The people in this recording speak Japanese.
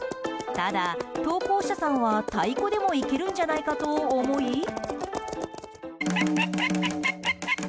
ただ、投稿者さんは太鼓でもいけるんじゃないかと思い。